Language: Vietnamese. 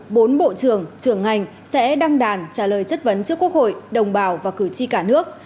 bốn bộ trưởng trưởng ngành sẽ đăng đàn trả lời chất vấn trước quốc hội đồng bào và cử tri cả nước